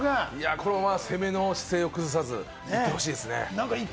このまま攻めの姿勢を崩さず行ってほしいですね。